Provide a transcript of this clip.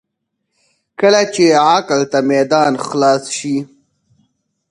کله چې عقل ته میدان خلاص شي.